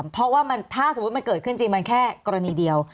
เพราะว่าถ้าสมมุติมันเกิดขึ้นจริงมันแค่กรณีเดียว